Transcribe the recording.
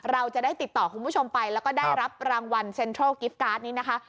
เราจะได้ติดต่อคุณผู้ชมไปแล้วก็ได้รับรางวัลเซ็นทรัลกิฟต์การ์ดนี้นะคะ